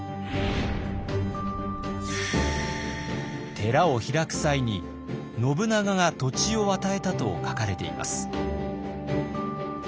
寺を開く際に信長が土地を与えたと書かれています。